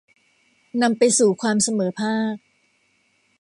นำไปสู่ความเสมอภาค